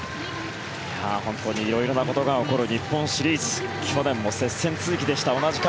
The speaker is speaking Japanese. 色々なことが起きる日本シリーズ去年も接戦続きでした。